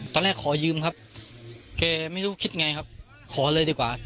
ขอยืมครับแกไม่รู้คิดไงครับขอเลยดีกว่า